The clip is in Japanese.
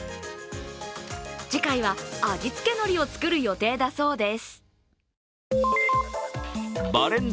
次回は、味付けのりを作る予定だそうです。